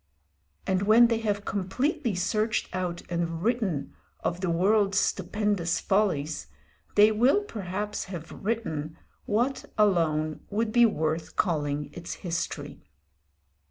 And when they have completely searched out and written of the world's stupendous follies, they will perhaps have written what alone would be worth calling its history.